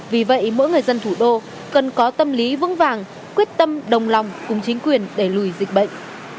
vì vậy mỗi người dân thủ đô cần có tâm lý vững vàng quyết tâm đồng lòng cùng chính quyền đẩy lùi dịch bệnh